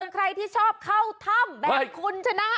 ใครที่ชอบเข้าถ้ำแบบคุณชนะ